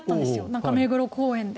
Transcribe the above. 中目黒公園で。